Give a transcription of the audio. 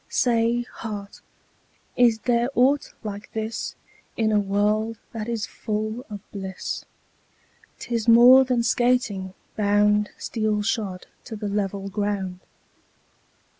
Say, heart, is there aught like this In a world that is full of bliss? 'Tis more than skating, bound 15 Steel shod to the level ground.